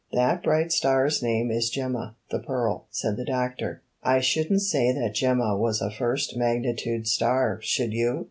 ''That bright star's name is Gemma, the Pearl," said the doctor. 'T shouldn't say that Gemma was a first magnitude star, should you?"